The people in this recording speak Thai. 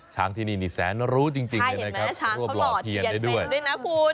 ช้างที่นี่แสนนรู้จริงเลยนะครับรอเทียนได้ด้วยนะคุณน่ะ